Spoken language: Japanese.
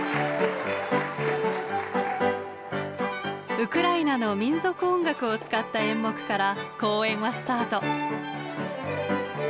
ウクライナの民族音楽を使った演目から公演はスタート。